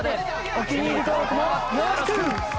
お気に入り登録もよろしく！